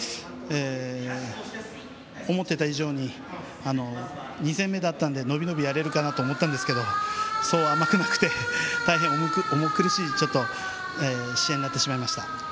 思ってた以上に２戦目だったので伸び伸びやれるかと思ったんですけどそう甘くなくて大変、重苦しい試合になってしまいました。